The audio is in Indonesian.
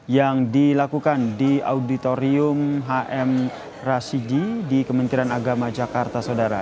yang dilakukan di auditorium hm rasidi di kementerian agama jakarta saudara